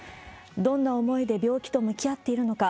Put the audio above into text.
どんな思いで病気と向き合っているのか。